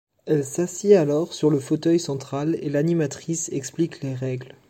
Elle s'assied alors sur le fauteuil central et l'animatrice explique les règles.